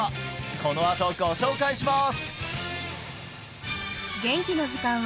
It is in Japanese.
このあとご紹介します